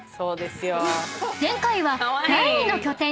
［前回は第２の拠点